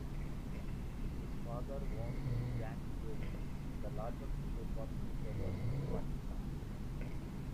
His father owns Jang Group, the largest group of newspapers in Pakistan.